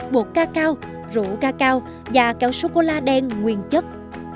bột ca cao rượu ca cao và kéo sô cô la đen nguyên chất